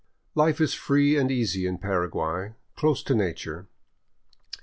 Life is free and easy in Paraguay, close to nature.